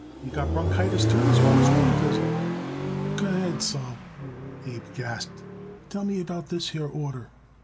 "Do you got bronchitis, too, as well as rheumatism?" "Go ahead, Sol," Abe gasped. "Tell me about this here order."